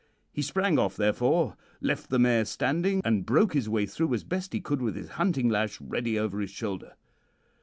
He sprang off, therefore, left the mare standing, and broke his way through as best he could with his hunting lash ready over his shoulder.